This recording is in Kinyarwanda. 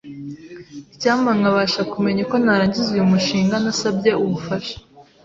Icyampa nkabasha kumenya uko narangiza uyu mushinga ntasabye ubufasha.